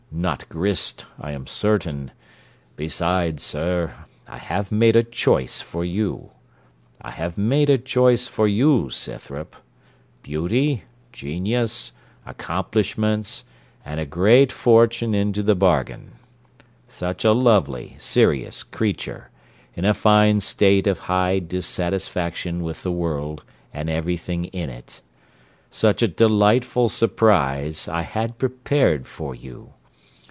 Not grist, I am certain: besides, sir, I have made a choice for you. I have made a choice for you, Scythrop. Beauty, genius, accomplishments, and a great fortune into the bargain. Such a lovely, serious creature, in a fine state of high dissatisfaction with the world, and every thing in it. Such a delightful surprise I had prepared for you.